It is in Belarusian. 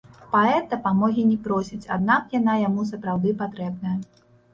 Паэт дапамогі не просіць, аднак яна яму сапраўды патрэбная.